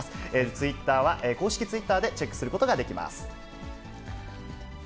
ツイッターは公式ツイッターでチェックすることができます。